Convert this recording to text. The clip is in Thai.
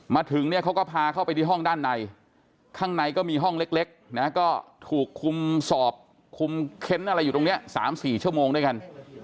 มาถึงเนี่ยเขาก็พาเข้าไปที่ห้องด้านในข้างในก็มีห้องเล็กนะก็ถูกคุมสอบคุมเค้นอะไรอยู่ตรงนี้๓๔ชั่วโมงด้วยกัน